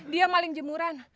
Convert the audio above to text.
dia maling jemuran